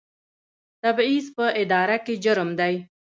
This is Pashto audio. تبعیض په اداره کې جرم دی